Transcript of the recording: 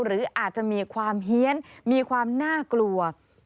หรืออาจจะมีความเฮียนมีความน่ากลัว